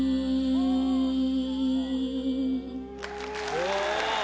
お！